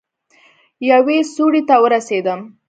يوې سوړې ته ورسېدم.